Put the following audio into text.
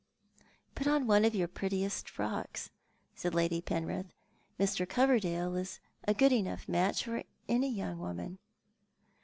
"Put on one of your prettiest frocks," said Lady Penrith. "Mr. Coverdaie is a good enough match for any young •woman."